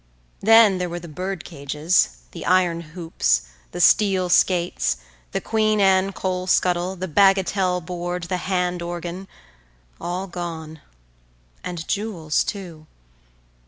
Then there were the bird cages, the iron hoops, the steel skates, the Queen Anne coal scuttle, the bagatelle board, the hand organ—all gone, and jewels, too.